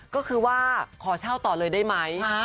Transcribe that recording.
ก็คือว่าขอเช่าต่อเลยได้ไหม